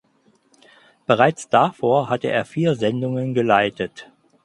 Bereits davor hatte er vier Sendungen geleitet.